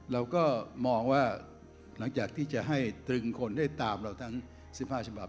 เราก็มองว่าหลังจากที่จะให้ตรึงคนได้ตามเราทั้ง๑๕ฉบับ